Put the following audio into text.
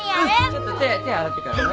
ちょっと手洗ってからね。